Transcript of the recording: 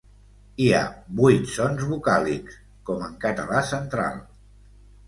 Hi ha vuit sons vocàlics, com en català central.